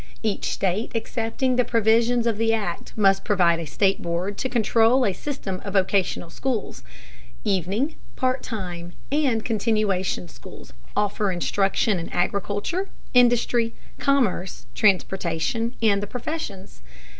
Each state accepting the provisions of the Act must provide a state board to control a system of vocational schools. Evening, part time, and continuation schools offer instruction in agriculture, industry, commerce, transportation, and the professions.